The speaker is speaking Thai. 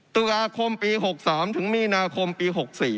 ตุลาคมปี๖๓ถึงมีนาคมปี๖๔